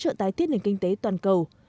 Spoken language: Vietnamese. để hỗ trợ tái tiết nền kinh tế toàn cầu